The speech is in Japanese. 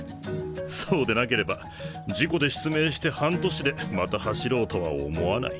そうでなければ事故で失明して半年でまた走ろうとは思わない。